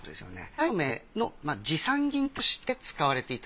花嫁の持参金として使われていた。